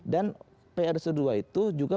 dan pa dua ratus dua belas itu juga